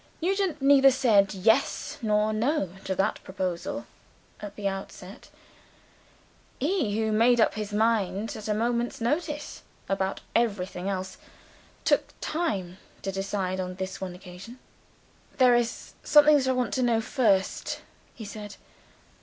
Nugent neither said Yes nor No to that proposal at the outset. He, who made up his mind at a moment's notice about everything else, took time to decide on this one occasion. "There is something that I want to know first," he said.